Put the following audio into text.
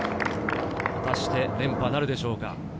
果たして連覇なるでしょうか？